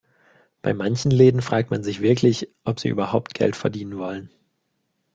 Bei manchen Läden fragt man sich wirklich, ob sie überhaupt Geld verdienen wollen.